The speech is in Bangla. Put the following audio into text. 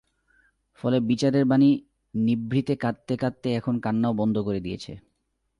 ফলে বিচারের বাণী নিভৃতে কাঁদতে কাঁদতে এখন কান্নাও বন্ধ করে দিয়েছে।